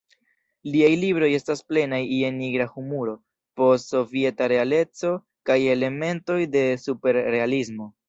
Liaj libroj estas plenaj je nigra humuro, post-sovieta realeco kaj elementoj de superrealismo.